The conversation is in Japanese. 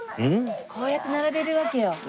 こうやって並べるわけよ。